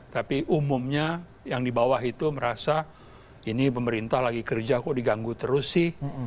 tapi umumnya yang di bawah itu merasa ini pemerintah lagi kerja kok diganggu terus sih